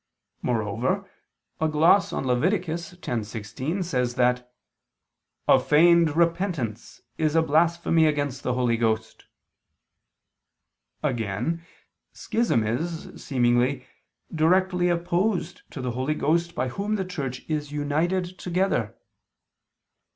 Moreover a gloss on Lev. 10:16, says that "a feigned repentance is a blasphemy against the Holy Ghost." Again, schism is, seemingly, directly opposed to the Holy Ghost by Whom the Church is united together.